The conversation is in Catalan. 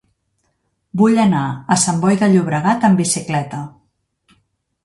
Vull anar a Sant Boi de Llobregat amb bicicleta.